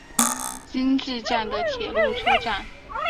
今治站的铁路车站。